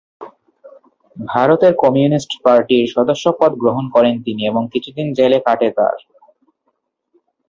ভারতের কমিউনিস্ট পার্টির সদস্যপদ গ্রহণ করেন তিনি এবং কিছুদিন জেলে কাটে তার।